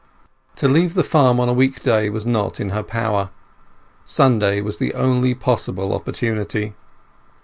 To leave the farm on a week day was not in her power; Sunday was the only possible opportunity.